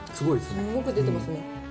すごく出てますね。